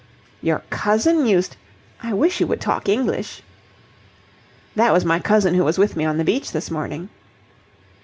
"Your cousin used...? I wish you would talk English." "That was my cousin who was with me on the beach this morning."